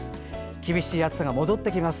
厳しい暑さが戻ってきます。